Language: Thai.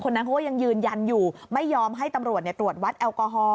นั้นเขาก็ยังยืนยันอยู่ไม่ยอมให้ตำรวจตรวจวัดแอลกอฮอล